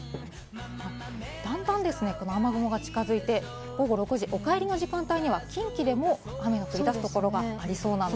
だんだんですね、この雨雲が近づいて午後６時、お帰りの時間帯には、近畿でも雨が降り出す所がありそうなんです。